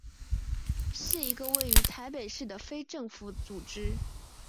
是一个位于台北市的非政府组织。